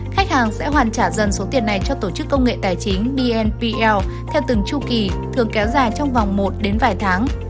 khách hàng sẽ hoàn trả dần số tiền này cho tổ chức công nghệ tài chính vnpl theo từng chu kỳ thường kéo dài trong vòng một đến vài tháng